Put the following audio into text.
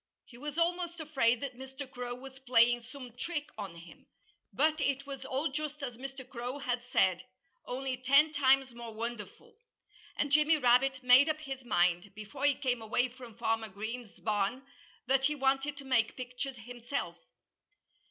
He was almost afraid that Mr. Crow was playing some trick on him. But it was all just as Mr. Crow had said only ten times more wonderful. And Jimmy Rabbit made up his mind, before he came away from Farmer Green's barn, that he wanted to make pictures himself.